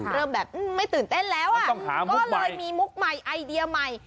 เริ่มแบบไม่ตื่นเต้นแล้วอ่ะก็เลยมีมุกใหม่ไอเดียใหม่